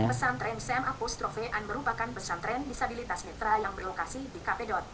pesantren sem apostrophe an merupakan pesantren disabilitas netra yang berlokasi di kpdot